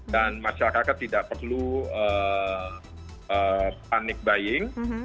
dan masyarakat tidak perlu panik buying